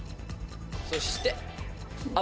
「そして油。